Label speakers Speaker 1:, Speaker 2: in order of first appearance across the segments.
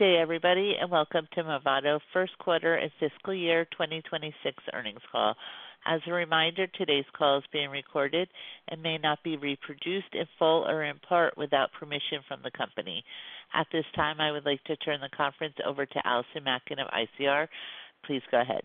Speaker 1: Good day, everybody, and welcome to Movado first quarter and fiscal year 2026 earnings call. As a reminder, today's call is being recorded and may not be reproduced in full or in part without permission from the company. At this time, I would like to turn the conference over to Allison Malkin of ICR. Please go ahead.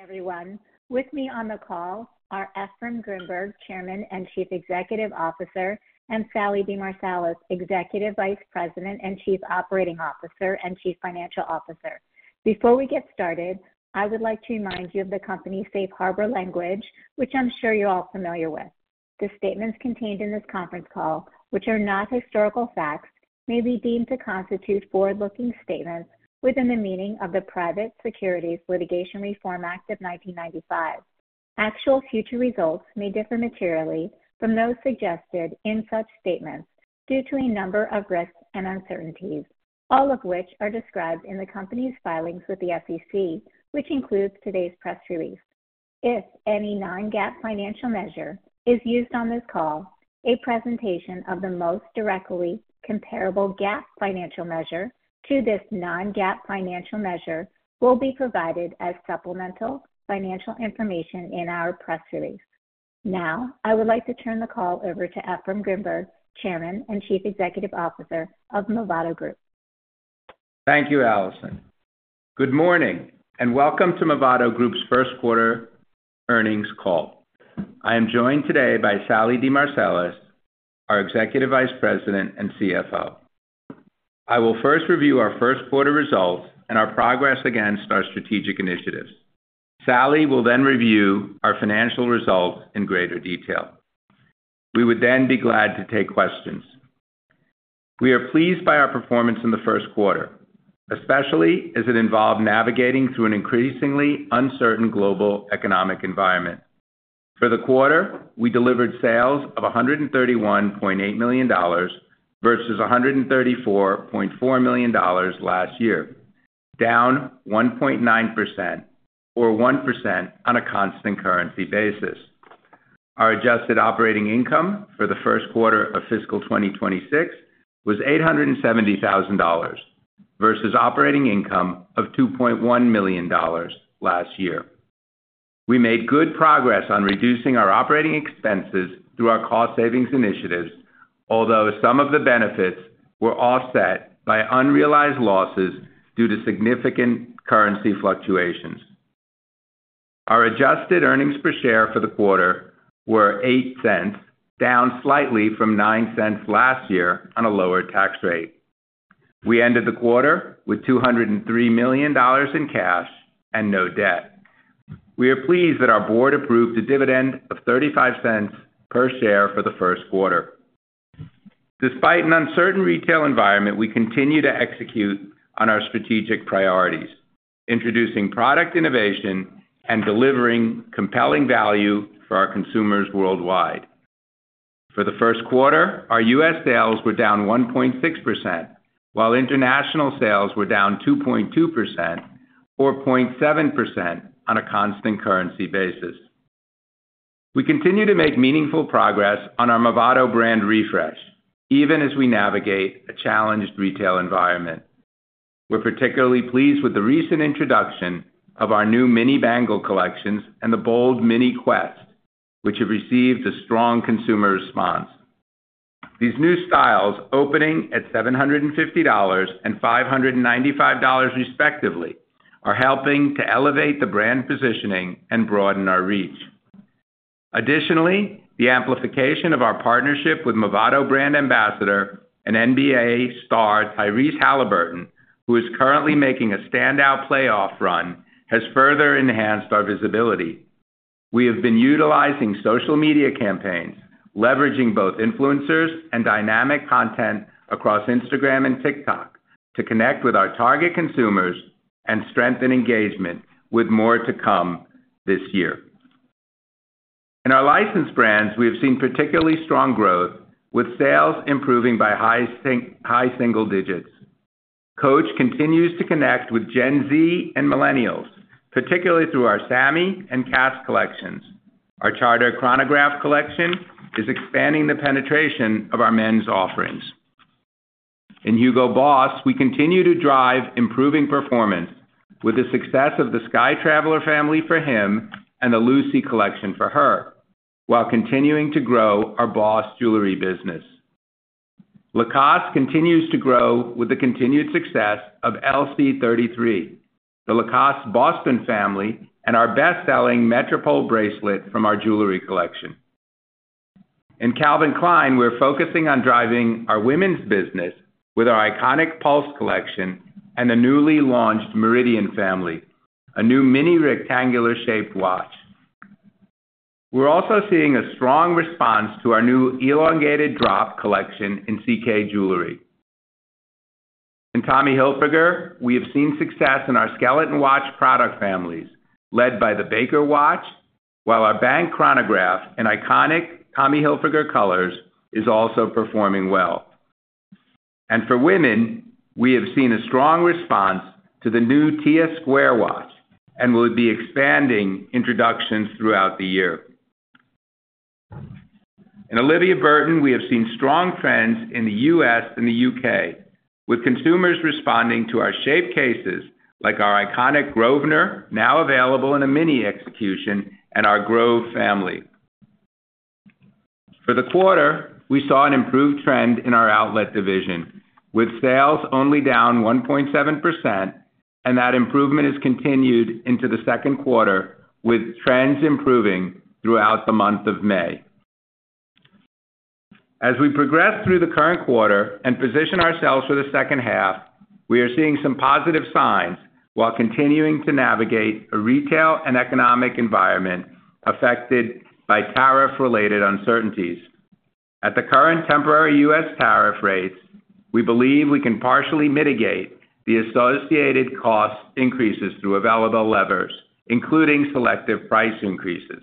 Speaker 2: Everyone. With me on the call are Efraim Grinberg, Chairman and Chief Executive Officer, and Sallie DeMarsilis, Executive Vice President and Chief Operating Officer and Chief Financial Officer. Before we get started, I would like to remind you of the company's safe harbor language, which I'm sure you're all familiar with. The statements contained in this conference call, which are not historical facts, may be deemed to constitute forward-looking statements within the meaning of the Private Securities Litigation Reform Act of 1995. Actual future results may differ materially from those suggested in such statements due to a number of risks and uncertainties, all of which are described in the company's filings with the SEC, which includes today's press release. If any non-GAAP financial measure is used on this call, a presentation of the most directly comparable GAAP financial measure to this non-GAAP financial measure will be provided as supplemental financial information in our press release. Now, I would like to turn the call over to Efraim Grinberg, Chairman and Chief Executive Officer of Movado Group.
Speaker 3: Thank you, Allison. Good morning and welcome to Movado Group's first quarter earnings call. I am joined today by Sallie DeMarsilis, our Executive Vice President and CFO. I will first review our first quarter results and our progress against our strategic initiatives. Sallie will then review our financial results in greater detail. We would then be glad to take questions. We are pleased by our performance in the first quarter, especially as it involved navigating through an increasingly uncertain global economic environment. For the quarter, we delivered sales of $131.8 million versus $134.4 million last year, down 1.9% or 1% on a constant currency basis. Our adjusted operating income for the first quarter of fiscal 2026 was $870,000 versus operating income of $2.1 million last year. We made good progress on reducing our operating expenses through our cost savings initiatives, although some of the benefits were offset by unrealized losses due to significant currency fluctuations. Our adjusted earnings per share for the quarter were $0.08, down slightly from $0.09 last year on a lower tax rate. We ended the quarter with $203 million in cash and no debt. We are pleased that our board approved a dividend of $0.35 per share for the first quarter. Despite an uncertain retail environment, we continue to execute on our strategic priorities, introducing product innovation and delivering compelling value for our consumers worldwide. For the first quarter, our US sales were down 1.6%, while international sales were down 2.2% or 0.7% on a constant currency basis. We continue to make meaningful progress on our Movado brand refresh, even as we navigate a challenged retail environment. We're particularly pleased with the recent introduction of our new Mini Bangle collections and the bold Mini Quest, which have received a strong consumer response. These new styles, opening at $750 and $595 respectively, are helping to elevate the brand positioning and broaden our reach. Additionally, the amplification of our partnership with Movado Brand Ambassador and NBA star Tyrese Haliburton, who is currently making a standout playoff run, has further enhanced our visibility. We have been utilizing social media campaigns, leveraging both influencers and dynamic content across Instagram and TikTok to connect with our target consumers and strengthen engagement with more to come this year. In our licensed brands, we have seen particularly strong growth, with sales improving by high single digits. Coach continues to connect with Gen Z and Millennials, particularly through our Sammy and Cass collections. Our Charter Chronograph collection is expanding the penetration of our men's offerings. In Hugo Boss, we continue to drive improving performance with the success of the Sky Traveler family for him and the Lucy collection for her, while continuing to grow our Boss jewelry business. Lacoste continues to grow with the continued success of LC33, the Lacoste Boston family, and our best-selling Metropol bracelet from our jewelry collection. In Calvin Klein, we're focusing on driving our women's business with our iconic Pulse collection and the newly launched Meridian family, a new mini rectangular-shaped watch. We're also seeing a strong response to our new Elongated Drop collection in CK Jewelry. In Tommy Hilfiger, we have seen success in our Skeleton Watch product families led by the Baker Watch, while our Bang Chronograph, in iconic Tommy Hilfiger colors, is also performing well. For women, we have seen a strong response to the new Tia Square Watch and will be expanding introductions throughout the year. In Olivia Burton, we have seen strong trends in the U.S. and the U.K., with consumers responding to our shape cases like our iconic Groverner, now available in a mini execution, and our Grove family. For the quarter, we saw an improved trend in our outlet division, with sales only down 1.7%, and that improvement has continued into the second quarter, with trends improving throughout the month of May. As we progress through the current quarter and position ourselves for the second half, we are seeing some positive signs while continuing to navigate a retail and economic environment affected by tariff-related uncertainties. At the current temporary U.S. tariff rates, we believe we can partially mitigate the associated cost increases through available levers, including selective price increases.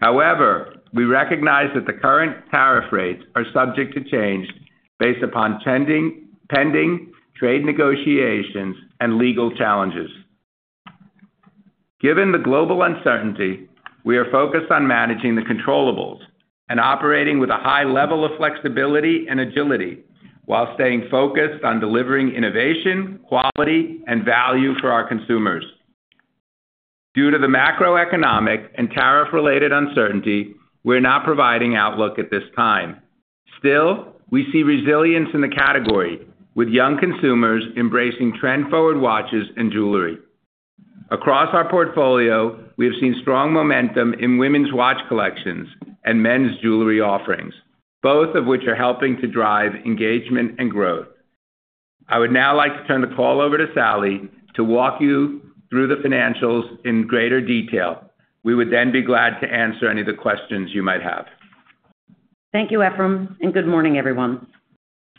Speaker 3: However, we recognize that the current tariff rates are subject to change based upon pending trade negotiations and legal challenges. Given the global uncertainty, we are focused on managing the controllables, and operating with a high level of flexibility and agility while staying focused on delivering innovation, quality, and value for our consumers. Due to the macroeconomic and tariff-related uncertainty, we're not providing outlook at this time. Still, we see resilience in the category, with young consumers embracing trend-forward watches and jewelry. Across our portfolio, we have seen strong momentum in women's watch collections and men's jewelry offerings, both of which are helping to drive engagement and growth. I would now like to turn the call over to Sallie to walk you through the financials in greater detail. We would then be glad to answer any of the questions you might have.
Speaker 4: Thank you, Efraim, and good morning, everyone.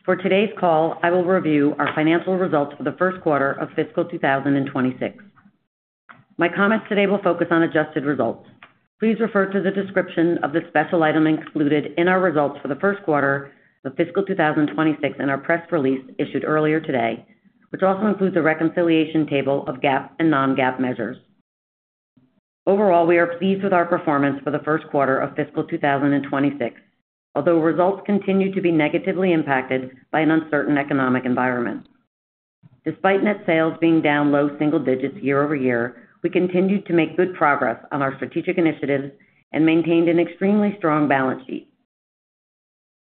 Speaker 4: For today's call, I will review our financial results for the first quarter of fiscal 2026. My comments today will focus on adjusted results. Please refer to the description of the special item included in our results for the first quarter of fiscal 2026 in our press release issued earlier today, which also includes a reconciliation table of GAAP and non-GAAP measures. Overall, we are pleased with our performance for the first quarter of fiscal 2026, although results continue to be negatively impacted by an uncertain economic environment. Despite net sales being down low single digits year over year, we continued to make good progress on our strategic initiatives and maintained an extremely strong balance sheet.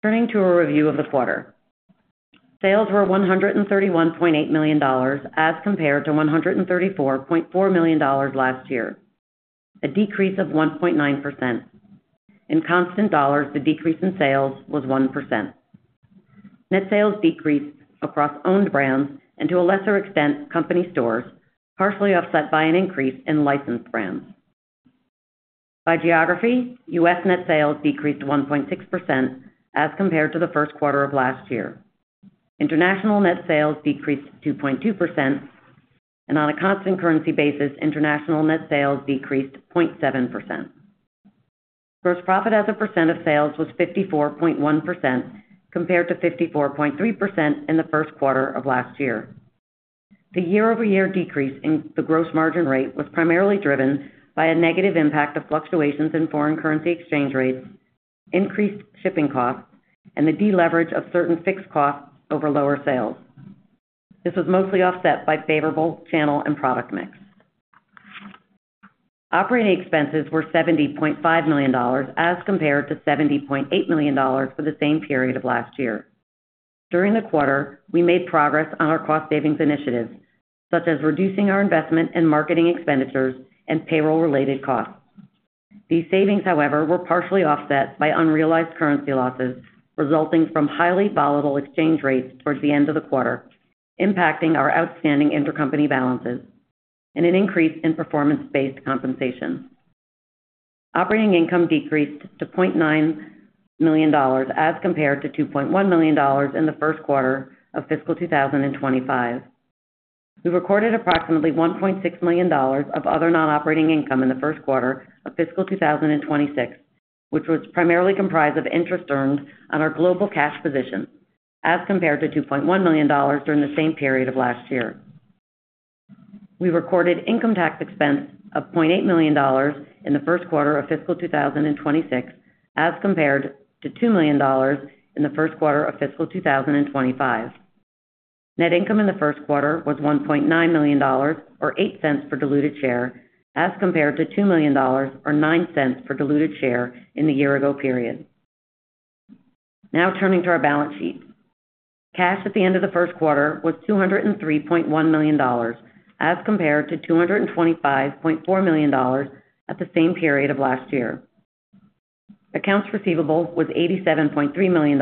Speaker 4: Turning to a review of the quarter, sales were $131.8 million as compared to $134.4 million last year, a decrease of 1.9%. In constant dollars, the decrease in sales was 1%. Net sales decreased across owned brands and, to a lesser extent, company stores, partially offset by an increase in licensed brands. By geography, U.S. net sales decreased 1.6% as compared to the first quarter of last year. International net sales decreased 2.2%, and on a constant currency basis, international net sales decreased 0.7%. Gross profit as a percent of sales was 54.1% compared to 54.3% in the first quarter of last year. The year-over-year decrease in the gross margin rate was primarily driven by a negative impact of fluctuations in foreign currency exchange rates, increased shipping costs, and the deleverage of certain fixed costs over lower sales. This was mostly offset by favorable channel and product mix. Operating expenses were $70.5 million as compared to $70.8 million for the same period of last year. During the quarter, we made progress on our cost savings initiatives, such as reducing our investment and marketing expenditures and payroll-related costs. These savings, however, were partially offset by unrealized currency losses resulting from highly volatile exchange rates towards the end of the quarter, impacting our outstanding intercompany balances and an increase in performance-based compensation. Operating income decreased to $0.9 million as compared to $2.1 million in the first quarter of fiscal 2025. We recorded approximately $1.6 million of other non-operating income in the first quarter of fiscal 2026, which was primarily comprised of interest earned on our global cash position as compared to $2.1 million during the same period of last year. We recorded income tax expense of $0.8 million in the first quarter of fiscal 2026 as compared to $2 million in the first quarter of fiscal 2025. Net income in the first quarter was $1.9 million or $0.08 per diluted share as compared to $2 million or $0.09 per diluted share in the year-ago period. Now turning to our balance sheet, cash at the end of the first quarter was $203.1 million as compared to $225.4 million at the same period of last year. Accounts receivable was $87.3 million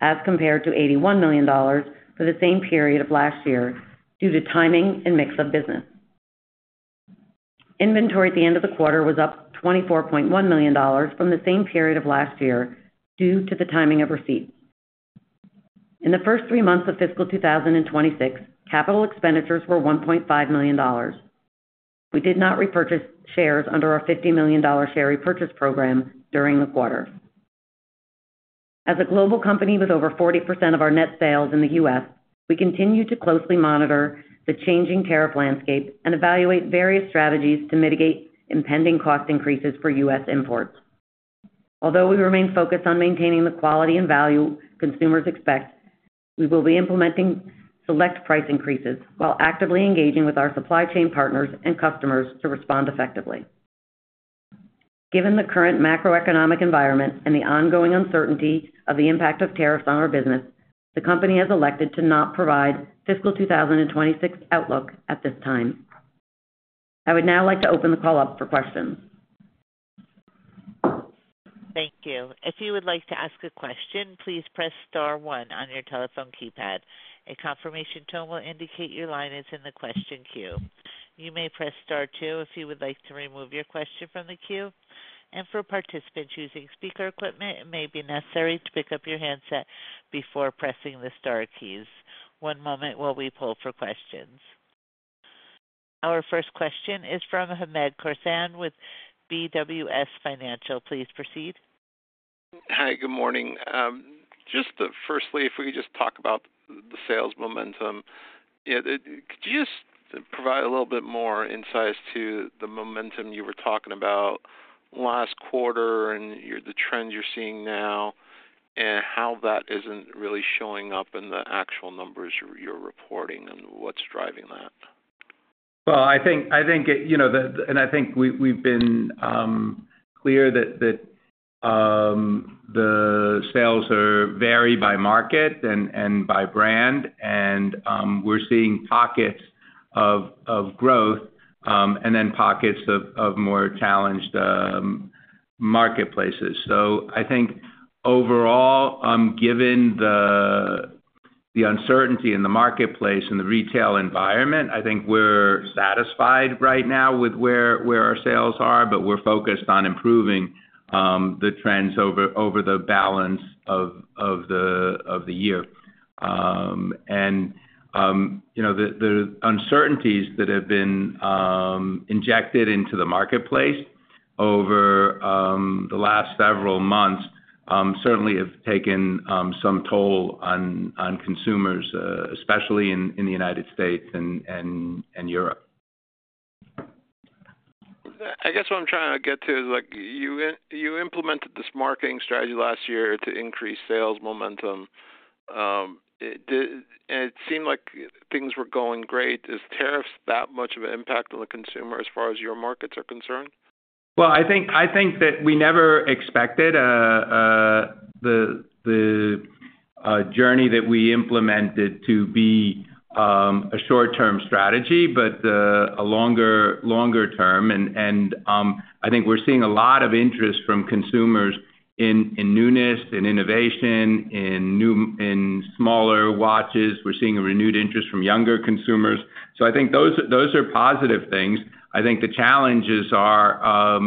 Speaker 4: as compared to $81 million for the same period of last year due to timing and mix of business. Inventory at the end of the quarter was up $24.1 million from the same period of last year due to the timing of receipts. In the first three months of fiscal 2026, capital expenditures were $1.5 million. We did not repurchase shares under our $50 million share repurchase program during the quarter. As a global company with over 40% of our net sales in the US, we continue to closely monitor the changing tariff landscape and evaluate various strategies to mitigate impending cost increases for US imports. Although we remain focused on maintaining the quality and value consumers expect, we will be implementing select price increases while actively engaging with our supply chain partners and customers to respond effectively. Given the current macroeconomic environment and the ongoing uncertainty of the impact of tariffs on our business, the company has elected to not provide fiscal 2026 outlook at this time. I would now like to open the call up for questions.
Speaker 1: Thank you. If you would like to ask a question, please press star one on your telephone keypad. A confirmation tone will indicate your line is in the question queue. You may press star two if you would like to remove your question from the queue. For participants using speaker equipment, it may be necessary to pick up your handset before pressing the star keys. One moment while we pull for questions. Our first question is from Ahmed Korsan with BWS Financial. Please proceed.
Speaker 5: Hi, good morning. Just firstly, if we could just talk about the sales momentum. Could you just provide a little bit more insight as to the momentum you were talking about last quarter and the trend you're seeing now and how that isn't really showing up in the actual numbers you're reporting and what's driving that?
Speaker 3: I think it and I think we've been clear that the sales vary by market and by brand, and we're seeing pockets of growth and then pockets of more challenged marketplaces. I think overall, given the uncertainty in the marketplace and the retail environment, I think we're satisfied right now with where our sales are, but we're focused on improving the trends over the balance of the year. The uncertainties that have been injected into the marketplace over the last several months certainly have taken some toll on consumers, especially in the U.S. and Europe.
Speaker 5: I guess what I'm trying to get to is you implemented this marketing strategy last year to increase sales momentum. It seemed like things were going great. Is tariffs that much of an impact on the consumer as far as your markets are concerned?
Speaker 3: I think that we never expected the journey that we implemented to be a short-term strategy, but a longer term. I think we're seeing a lot of interest from consumers in newness and innovation in smaller watches. We're seeing a renewed interest from younger consumers. I think those are positive things. I think the challenges are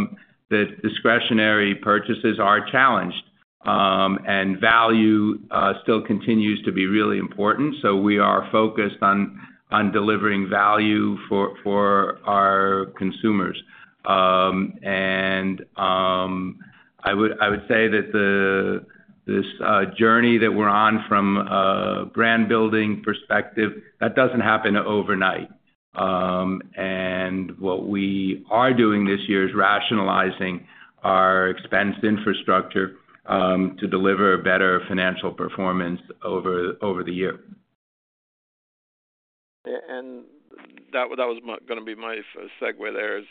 Speaker 3: that discretionary purchases are challenged, and value still continues to be really important. We are focused on delivering value for our consumers. I would say that this journey that we're on from a brand-building perspective, that does not happen overnight. What we are doing this year is rationalizing our expense infrastructure to deliver better financial performance over the year.
Speaker 5: That was going to be my segue there.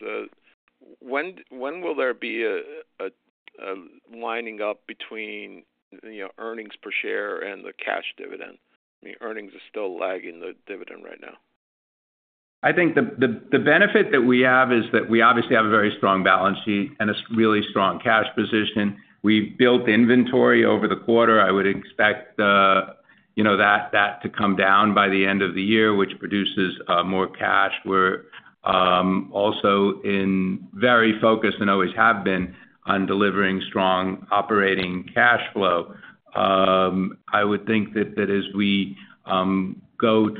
Speaker 5: When will there be a lining up between earnings per share and the cash dividend? I mean, earnings are still lagging the dividend right now.
Speaker 3: I think the benefit that we have is that we obviously have a very strong balance sheet and a really strong cash position. We've built inventory over the quarter. I would expect that to come down by the end of the year, which produces more cash. We're also very focused and always have been on delivering strong operating cash flow. I would think that as we go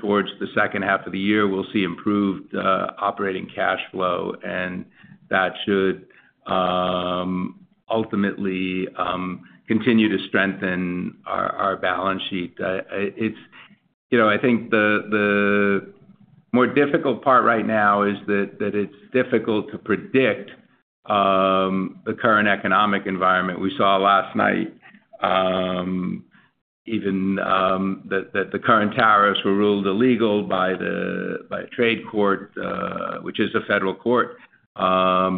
Speaker 3: towards the second half of the year, we'll see improved operating cash flow, and that should ultimately continue to strengthen our balance sheet. I think the more difficult part right now is that it's difficult to predict the current economic environment. We saw last night even that the current tariffs were ruled illegal by a trade court, which is a federal court. That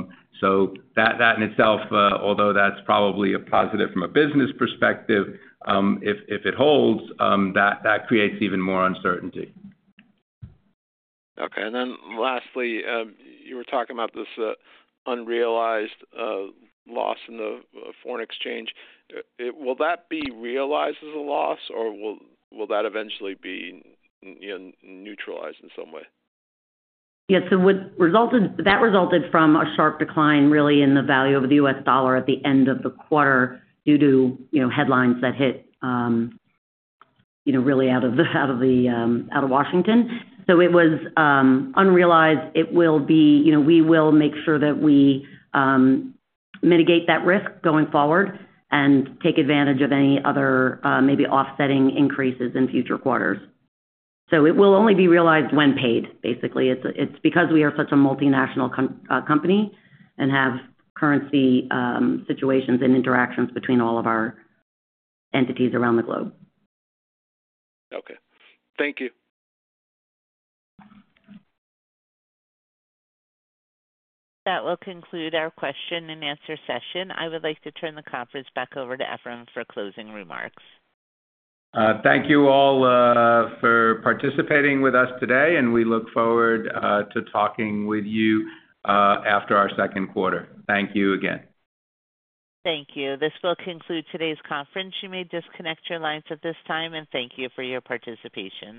Speaker 3: in itself, although that's probably a positive from a business perspective, if it holds, that creates even more uncertainty.
Speaker 5: Okay. Lastly, you were talking about this unrealized loss in the foreign exchange. Will that be realized as a loss, or will that eventually be neutralized in some way?
Speaker 4: Yes. That resulted from a sharp decline, really, in the value of the US dollar at the end of the quarter due to headlines that hit really out of Washington. It was unrealized. We will make sure that we mitigate that risk going forward and take advantage of any other maybe offsetting increases in future quarters. It will only be realized when paid, basically. It's because we are such a multinational company and have currency situations and interactions between all of our entities around the globe.
Speaker 5: Okay. Thank you.
Speaker 1: That will conclude our question and answer session. I would like to turn the conference back over to Efraim for closing remarks.
Speaker 3: Thank you all for participating with us today, and we look forward to talking with you after our second quarter. Thank you again.
Speaker 1: Thank you. This will conclude today's conference. You may disconnect your lines at this time, and thank you for your participation.